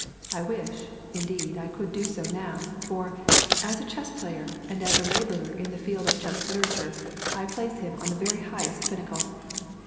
I wish, indeed, I could do so now; for, as a chess player, and as a laborer in the field of chess literature, I place him on the very highest pinnacle.